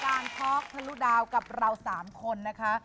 มาต้องเข้าสู่รายการทรอกทะลุดาากับเราสามคนนะคะ